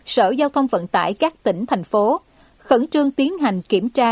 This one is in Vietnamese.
sở giao thông vận tải các tỉnh thành phố khẩn trương tiến hành kiểm tra